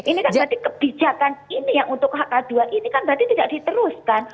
ini kan berarti kebijakan ini yang untuk hk dua ini kan berarti tidak diteruskan